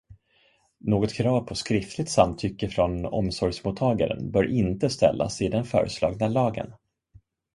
Något krav på skriftligt samtycke från omsorgsmottagaren bör inte ställas i den föreslagna lagen.